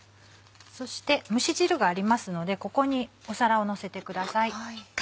そして蒸し汁がありますのでここに皿をのせてください。